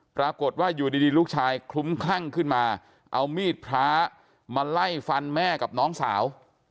ปรากฏว่าอยู่ดีลูกชายคลุ้มคลั่งขึ้นมาเอามีดพระมาไล่ฟันแม่กับน้องสาว